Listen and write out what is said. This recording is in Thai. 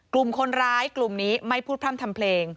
กลุ่มคนร้ายกลุ่มนี้ไม่พูดพร่ำทำเพลง